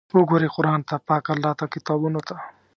وګورئ قرآن ته، پاک الله ته، کتابونو ته!